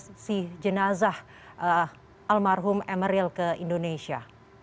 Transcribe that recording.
apakah ini adalah jenazah atau repatriasi jenazah almarhum emeril ke indonesia